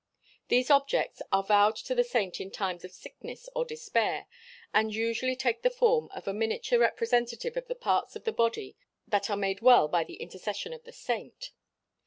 These objects are vowed to the saint in times of sickness or despair and usually take the form of a miniature representative of the parts of the body that are made well by the intercession of the saint.